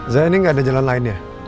saya ini gak ada jalan lain ya